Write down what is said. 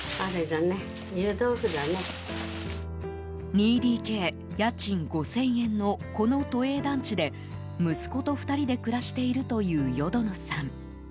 ２ＤＫ、家賃５０００円のこの都営団地で息子と２人で暮らしているという淀野さん。